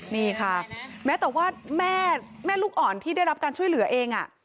นี่ค่ะแม้แต่ว่าแม่ลูกอ่อนที่ได้รับการช่วยเหลือเอง